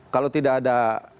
kalau tidak ada